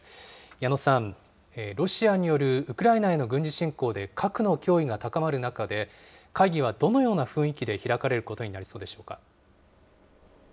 矢野さん、ロシアによるウクライナへの軍事侵攻で核の脅威が高まる中で、会議はどのような雰囲気で開かれることになりそうでしょうか。